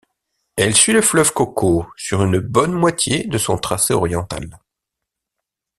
Elle suit le fleuve Coco sur une bonne moitié de son tracé oriental.